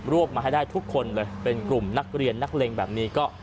วบมาให้ได้ทุกคนเลยเป็นกลุ่มนักเรียนนักเลงแบบนี้ก็